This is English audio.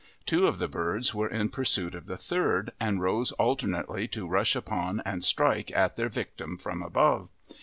Two of the birds were in pursuit of the third, and rose alternately to rush upon and strike at their victim from above.